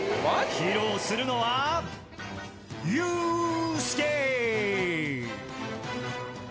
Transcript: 披露するのはユースケ！